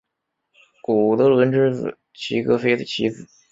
古德伦之子齐格菲的妻子。